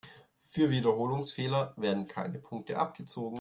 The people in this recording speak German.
Für Wiederholungsfehler werden keine Punkte abgezogen.